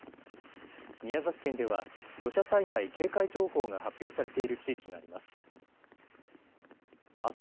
宮崎県では土砂災害警戒情報が発表されている地域があります。